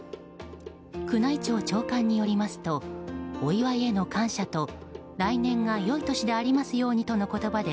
宮内庁長官によりますとお祝いへの感謝と来年が良い年でありますようにとの言葉で